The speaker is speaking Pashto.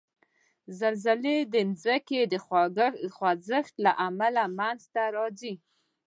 زلزلې د ځمکې د خوځښت له امله منځته راځي.